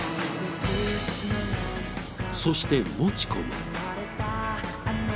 そしてもち子も。